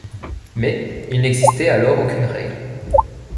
Mais il n'existait alors aucune règle.